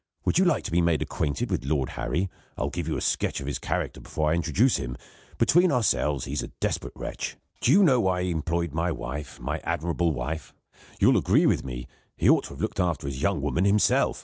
"Would you like to be made acquainted with Lord Harry? I'll give you a sketch of his character before I introduce him. Between ourselves, he's a desperate wretch. Do you know why he employed my wife, my admirable wife? You will agree with me; he ought to have looked after his young woman himself.